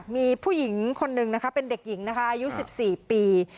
มีผู้หญิงคนนึงนะคะเป็นเด็กหญิงนะคะอายุ๑๔ปี